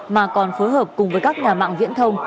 mà còn phối hợp cùng với các nhà mạng viễn thông